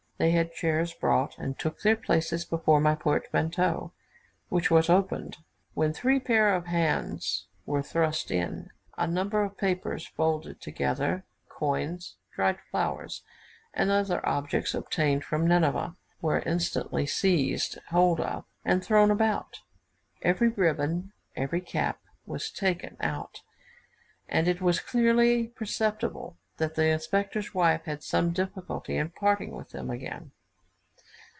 They had chairs brought, and took their places before my portmanteau, which was opened, when three pair of hands were thrust in. A number of papers folded together, coins, dried flowers, and other objects, obtained from Nineveh, were instantly seized hold of, and thrown about; every ribbon, every cap, was taken out; and it was clearly perceptible that the inspector's wife had some difficulty in parting with them again.